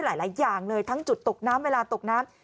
หลายอย่างเลยทั้งจุดตกน้ำเวลาตกน้ำ